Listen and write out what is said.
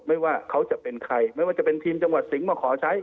ไม่ว่าเขาจะเป็นใครไม่ว่าจะเป็นทีมจังหวัดสิงห์มาขอใช้